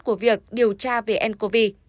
của việc điều tra về ncov